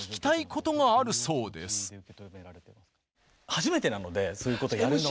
初めてなのでそういうことやるのが。